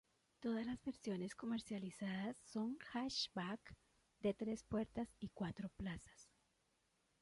Todas las versiones comercializadas son hatchback de tres puertas y cuatro plazas.